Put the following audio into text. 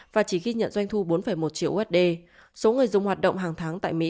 và chỉ ghi nhận doanh thu bốn một triệu usd số người dùng hoạt động hàng tháng tại mỹ